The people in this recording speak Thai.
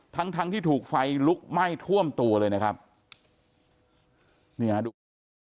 ทั้งทั้งที่ถูกไฟลุกไหม้ท่วมตัวเลยนะครับเนี่ยดูฮะ